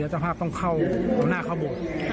และต้องเข้าหน้าเข้าโบสถ์